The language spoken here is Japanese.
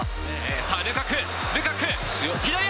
さあ、ルカク、ルカク、左足。